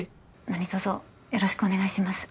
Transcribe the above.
なにとぞよろしくお願いします